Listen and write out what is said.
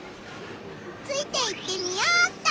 ついていってみようっと！